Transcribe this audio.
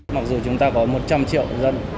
mặc dù chúng ta có một trăm linh triệu dân